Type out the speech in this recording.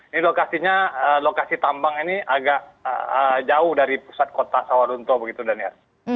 ini lokasinya lokasi tambang ini agak jauh dari pusat kota sawaruntuh begitu daniar